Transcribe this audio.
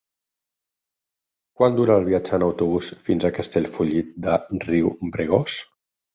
Quant dura el viatge en autobús fins a Castellfollit de Riubregós?